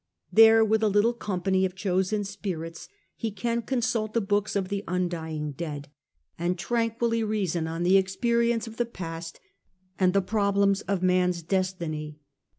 There, with a little company of chosen spirits, he can consult the books of the undying dead, and tranquilly reason on the experience of the past and the problems of man's destiny.